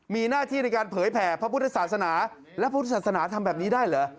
มีหน้าที่ในการเผยแผ่พระพุทธศาสนาและพุทธศาสนาทำแบบนี้ได้เหรอ